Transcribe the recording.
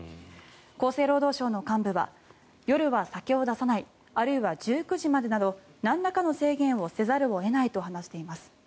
厚生労働省の幹部は夜は酒を出さないあるいは１９時までなどなんらかの制限をせざるを得ないと話しています。